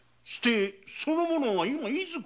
その者は今いずこに？